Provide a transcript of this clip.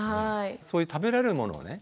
そういう食べれるものをね